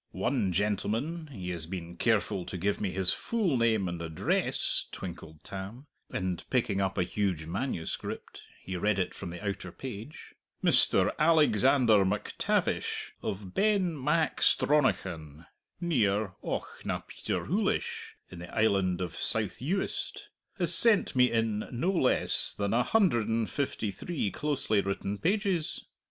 One gentleman he has been careful to give me his full name and address," twinkled Tam, and picking up a huge manuscript he read it from the outer page, "Mr. Alexander MacTavish of Benmacstronachan, near Auchnapeterhoolish, in the island of South Uist has sent me in no less than a hundred and fifty three closely written pages!